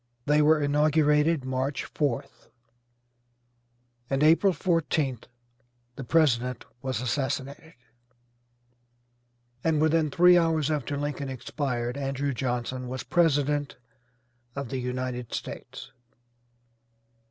They were inaugurated March 4th, and April 14th the President was assassinated, and within three hours after Lincoln expired Andrew Johnson was president of the United States.